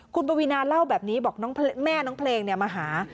คุณปวีนาเล่าแบบนี้บอกแม่น้องเพลงมาหา